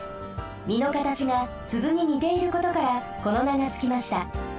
みのかたちがスズににていることからこの名がつきました。